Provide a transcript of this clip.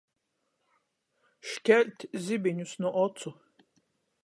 Škelt zibiņus nu ocu.